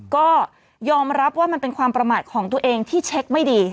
ก็ยอมรับว่ามันเป็นความประมาทของตัวเองที่เช็คไม่ดี